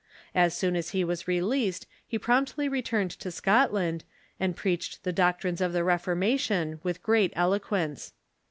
As soon as he was released he promptly returned to Scotland, and preached the doctrines of the Reformation with great eloquence.